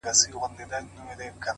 • عاقبت غلیم د بل, دښمن د ځان دی, ,